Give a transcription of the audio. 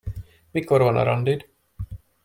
Mikor van a randid?